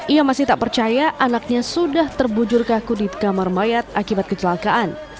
ia masih tak percaya anaknya sudah terbujur kaku di kamar mayat akibat kecelakaan